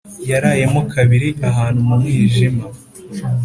yarayemo kabiri ahantu mumwijima